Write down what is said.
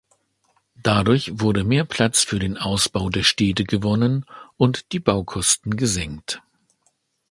Dadurch wurde mehr Platz für den Ausbau der Städte gewonnen und die Baukosten gesenkt.